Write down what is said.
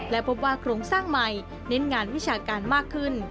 และพบว่าโครงสร้างใหม่เน้นงานวิชาการมากขึ้น